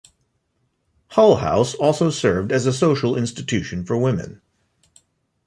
Hull House also served as a social institution for women.